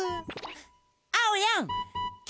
あおやんき